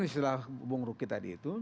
setelah hubung ruki tadi itu